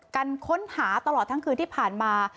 กันค้นหาตลอดทั้งคืนที่ผ่านมา